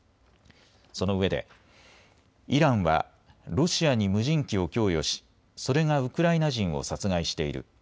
そのうえでイランはロシアに無人機を供与しそれがウクライナ人を殺害している。